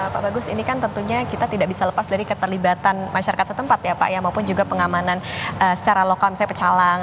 pak bagus ini kan tentunya kita tidak bisa lepas dari keterlibatan masyarakat setempat ya pak ya maupun juga pengamanan secara lokal misalnya pecalang